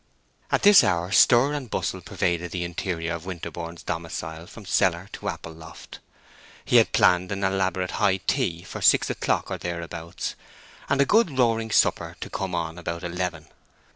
At this hour stir and bustle pervaded the interior of Winterborne's domicile from cellar to apple loft. He had planned an elaborate high tea for six o'clock or thereabouts, and a good roaring supper to come on about eleven.